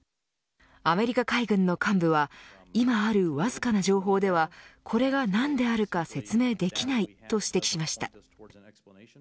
アメリカ海軍の幹部はいまあるわずかな情報ではこれが何であるか説明できないと指摘しました。